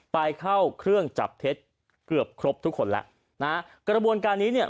ไปเข้าเครื่องจับเท็จเกือบครบทุกคนแล้วนะฮะกระบวนการนี้เนี่ย